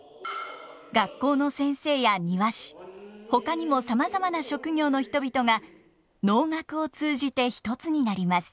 学校の先生や庭師ほかにもさまざまな職業の人々が能楽を通じて一つになります。